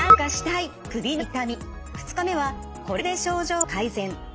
２日目はこれで症状を改善！